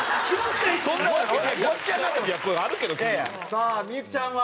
さあ幸ちゃんは？